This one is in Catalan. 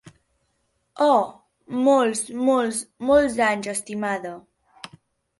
Oh, molts, molts, molts anys, estimada.